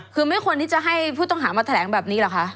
คือไม่ควรที่จะให้ผู้ต้องหามาแถลงแบบนี้เหรอคะ